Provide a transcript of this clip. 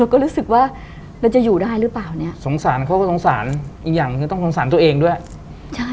ก็ได้รู้ได้หรือเปล่าเนี้ยสงสารเขาก็สงสารอีกอย่างคือต้องสงสารตัวเองด้วยใช่